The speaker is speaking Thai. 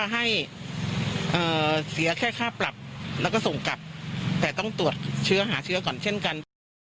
ให้เสียแค่ค่ารับและส่งกับและต้องหาเชื้อก่อนกัน